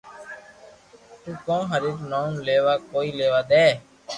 تو ڪون ھري رو نوم ليوا ڪوئي ليوا دي